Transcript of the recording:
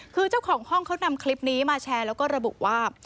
คือเจ้าของห้องเขานำคลิปนี้มาแชร์แล้วก็ระบุว่า